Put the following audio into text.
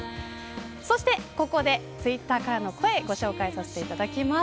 そして、ここでツイッターからの声、ご紹介させていただきます。